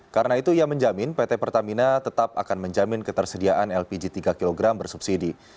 karena itu ia menjamin pt pertamina tetap akan menjamin ketersediaan lpg tiga kg bersubsidi